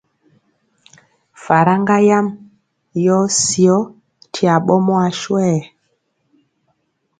Faraŋga yam yɔɔ syɔ ti aɓɔmɔ aswɛɛ.